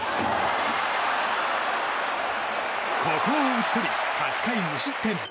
ここを打ち取り８回無失点。